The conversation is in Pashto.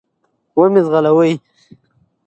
و مي ځغلوی .